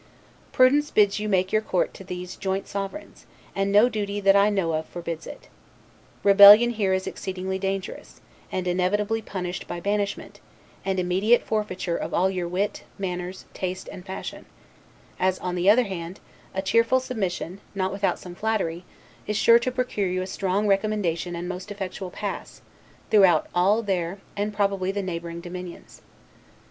Prudence bids you make your court to these joint sovereigns; and no duty, that I know of, forbids it. Rebellion here is exceedingly dangerous, and inevitably punished by banishment, and immediate forfeiture of all your wit, manners, taste, and fashion; as, on the other hand, a cheerful submission, not without some flattery, is sure to procure you a strong recommendation and most effectual pass, throughout all their, and probably the neighboring, dominions.